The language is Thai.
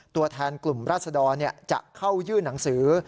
ตัวแทนกลุ่มรัฐสดตร์เนี่ยจะเข้ายื่นนังสือ